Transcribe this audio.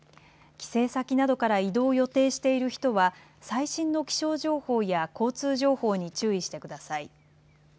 帰省先などから移動を予定している人は最新の気象情報や交通情報に注意してください。